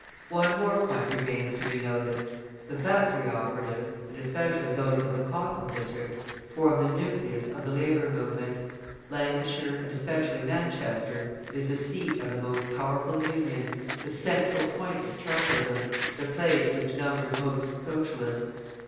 One more point remains to be noticed. The factory operatives, and especially those of the cotton district, form the nucleus of the labour movement. Lancashire, and especially Manchester, is the seat of the most powerful Unions, the central point of Chartism, the place which numbers most Socialists.